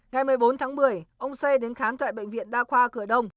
ngày một mươi bốn tháng một mươi ông c đến khám tại bệnh viện đa khoa cửa đông